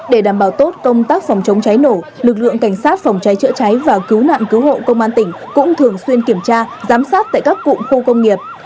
để đảm bảo tốt công tác phòng chống cháy nổ lực lượng cảnh sát phòng cháy chữa cháy và cứu nạn cứu hộ công an tỉnh cũng thường xuyên kiểm tra giám sát tại các cụm khu công nghiệp